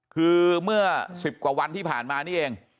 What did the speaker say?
คือเมื่อ๑๐กว่าวันที่ผ่านมานี่เอง